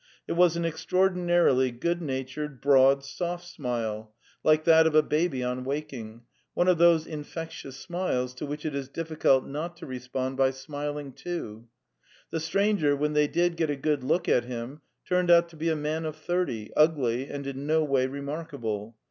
It was an extraordinarily good natured, broad, soft smile, like 256 The Tales of Chekhov that of a baby on waking, one of those infectious smiles to which it is difficult not to respond by smil ing too. 'The stranger, when they did get a good look at him, turned out to be a man of thirty, ugly and in no way remarkable.